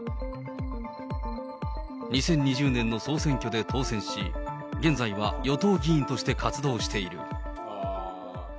２０２０年の総選挙で当選し、現在は与党議員として活動している。